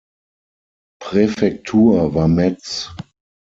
Präfektur war Metz.